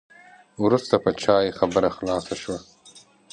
وروسته په چای خبره خلاصه شوه.